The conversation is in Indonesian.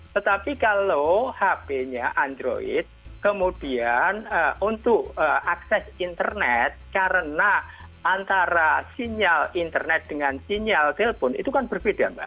tetapi kalau hp nya android kemudian untuk akses internet karena antara sinyal internet dengan sinyal telepon itu kan berbeda mbak